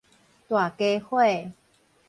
大家伙